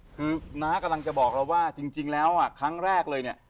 คือน้ากำลังจะบอกเราว่าจริงแล้วครั้งแรกเลยเนี่ย